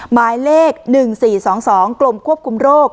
หมายเลข๑๔๒๒กรมควบคุมโรค